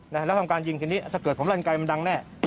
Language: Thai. แล้วทำการยิงทีนี้ถ้าเกิดผมร่างกายมันดังแน่